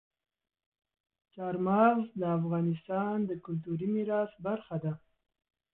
چار مغز د افغانستان د کلتوري میراث برخه ده.